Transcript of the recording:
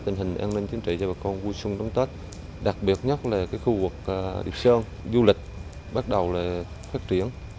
tình hình an ninh chính trị cho bà con vui xuân đón tết đặc biệt nhất là khu vực việt sơn du lịch bắt đầu phát triển